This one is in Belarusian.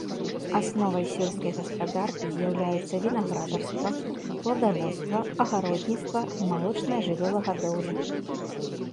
Асновай сельскай гаспадаркі з'яўляюцца вінаградарства, пладаводства, агародніцтва і малочная жывёлагадоўля.